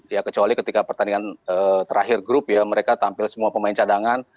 ya kecuali ketika pertandingan terakhir grup ya mereka tampil semua pemain cadangan